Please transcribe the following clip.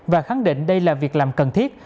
và khẳng định đây là việc làm cần thiết